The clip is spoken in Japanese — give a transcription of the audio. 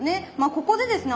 ここでですね